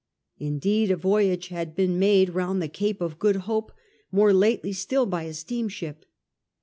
Indeed, a voyage had been made round the Cape of Good Hope more lately still by a steam ship.